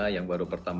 yang baru pertama